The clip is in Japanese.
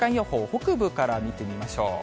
北部から見てみましょう。